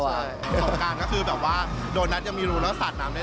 ส่องการก็คือแบบว่าโดนัทยังมีรูแล้วสาดน้ำได้เลย